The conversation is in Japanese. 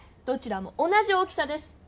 どちらも同じ大きさです。